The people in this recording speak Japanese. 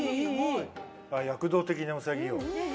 躍動的なうさぎよ。